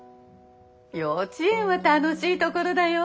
幼稚園は楽しいところだよ。